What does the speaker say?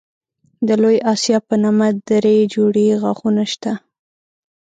د لوی آسیاب په نامه دری جوړې غاښونه شته.